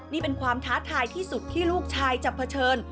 นี่เป็นความท้าทายที่สุดที่ลูกชายจะเผชิญ